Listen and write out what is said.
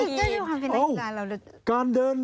เฮ้ย